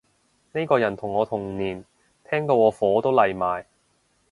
呢個人同我同年，聽到我火都嚟埋